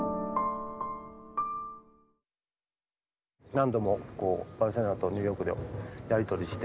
何度もバルセロナとニューヨークでやり取りして。